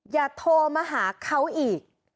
อย่าโทรมาหาเขาอีก